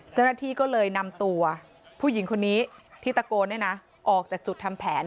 เจ้าหน้าที่ก็เลยนำตัวผู้หญิงคนนี้ที่ตะโกนออกจากจุดทำแผน